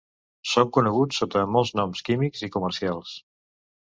Són coneguts sota molts noms químics i comercials.